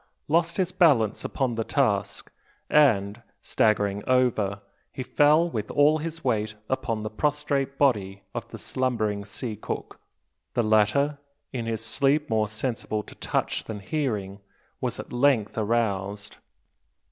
lost his balance upon the task, and, staggering over, he fell with all his weight upon the prostrate body of the slumbering sea cook. The latter, in his sleep more sensible to touch than hearing, was at length aroused.